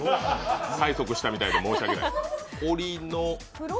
催促したみたいで申し訳ない。